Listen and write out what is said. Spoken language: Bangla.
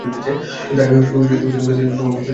তাই, তোমাকে সিলেক্ট করতে পারব না।